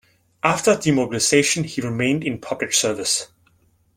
After demobilization he remained in public service.